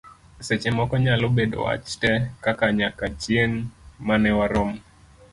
seche moko nyalo bedo wach te, kaka; nyaka chieng' mane warom